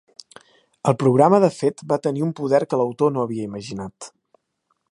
El programa de fet va tenir un poder que l"autor no havia imaginat.